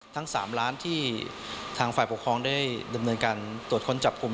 ทั้ง๓ล้านที่ทางฝ่ายปกครองได้ดำเนินการตรวจค้นจับกลุ่ม